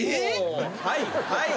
はいはい。